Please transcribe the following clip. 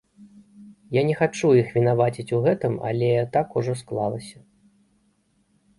Я не хачу іх вінаваціць у гэтым, але так ужо склалася.